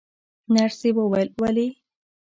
نرسې وویل: ولې؟